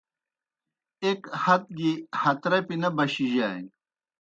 ایْک ہت گیْ ہترپیْ نہ بَشِجانیْ